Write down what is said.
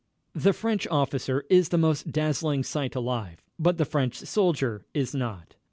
The French officer is the most dazzling sight alive, but the French soldier is not.